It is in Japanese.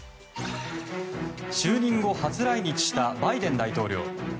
就任後、初来日したバイデン大統領。